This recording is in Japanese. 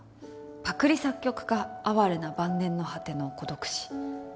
「パクリ作曲家哀れな晩年の果ての孤独死」。